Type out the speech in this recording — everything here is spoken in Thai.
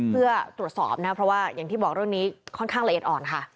เพื่อตรวจสอบนะเพราะว่าอย่างที่บอกเรื่องนี้ค่อนข้างละเอียดอ่อนค่ะ